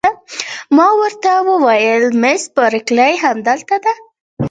ما ورته وویل: مس بارکلي همدلته ده؟